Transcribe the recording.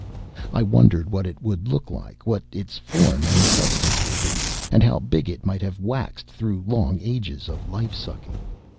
I wondered what it would look like what its form and substance would be, and how big it might have waxed through long ages of life sucking.